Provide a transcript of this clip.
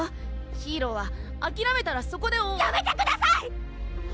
ヒーローはあきらめたらそこで終わやめてください！